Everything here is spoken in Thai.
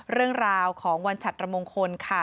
เรื่องราวของวันฉัดระมงคลค่ะ